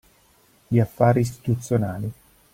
Gli affari istituzionali.